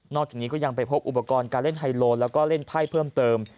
จากนี้ก็ยังไปพบอุปกรณ์การเล่นไฮโลแล้วก็เล่นไพ่เพิ่มเติม